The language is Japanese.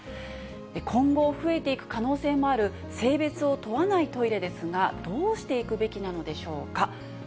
今後増えていく可能性もある性別を問わないトイレですが、どうしていくべきなのでしょうか。